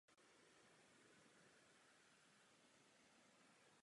Při neúspěšné kampani se Glenn silně zadlužil a dluh musel několik let splácet.